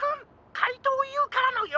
かいとうＵからのよ